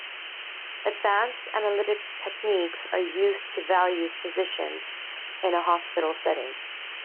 Advanced analytic techniques are used to value physicians in a hospital setting.